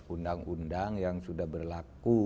undang undang yang sudah berlaku